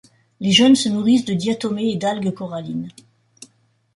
Les jeunes se nourrissent de diatomées et d'algue corallines.